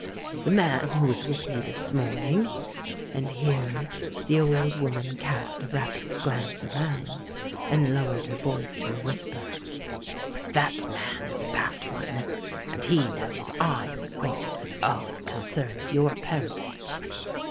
The man who was with me this morning—," and here the old woman cast a rapid glance around, and lowered her voice to a whisper,—"that man is a bad one, and he knows I am acquainted with all that concerns your parentage.